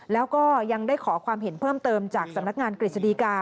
แล้วก็ยังได้ขอความเห็นเพิ่มเติมจากสำนักงานกฤษฎีกา